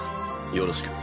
よろしく。